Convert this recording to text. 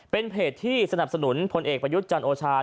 เป็นเพจที่สนับสนุนพลเอกประยุทธ์จันทร์โอชา